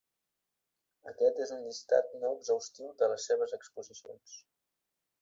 Aquest és un llistat no exhaustiu de les seves exposicions.